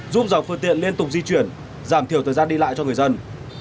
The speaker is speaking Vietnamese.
giúp dọc phương tiện liên tục di chuyển giảm thiểu thời gian đi lại cho người dân